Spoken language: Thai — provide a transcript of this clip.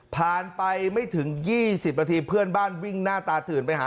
ผ่านไปไม่ถึง๒๐นาทีเพื่อนบ้านวิ่งหน้าตาตื่นไปหา